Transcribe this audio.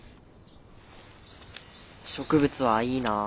植物はいいな。